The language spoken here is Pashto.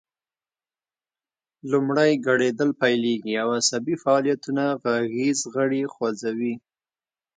لومړی ګړیدل پیلیږي او عصبي فعالیتونه غږیز غړي خوځوي